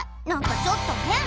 何かちょっと変！